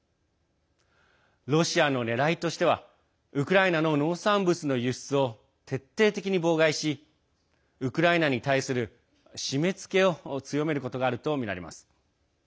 ロシアのねらいとしてはウクライナの農産物の輸出を徹底的に妨害しウクライナに対する締めつけを強めることがあるとみられます。